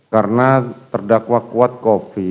karena terdakwa kuat covid